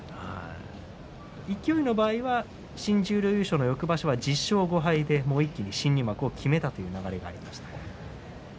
勢の場合は新十両の翌場所は１０勝５敗で一気に新入幕を決めたという流れがありました。